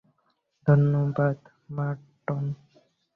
ধন্যবাদ, মার্টন।